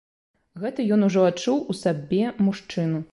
Гэта ён ужо адчуў у сабе мужчыну.